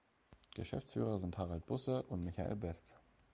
Geschäftsführer sind Harald Busse und Michael Best.